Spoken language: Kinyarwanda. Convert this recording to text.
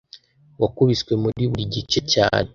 wakubiswe muri buri gice cyane